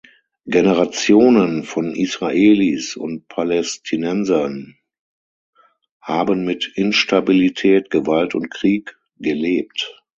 Generationen von Israelis und Palästinensern haben mit Instabilität, Gewalt und Krieg gelebt.